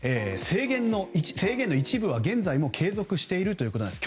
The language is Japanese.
制限の一部は現在も継続しているということです。